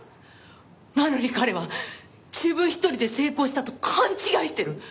なのに彼は自分一人で成功したと勘違いしてる。